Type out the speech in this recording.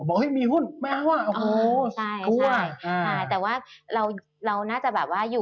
บอกมีหุ้นมั้ย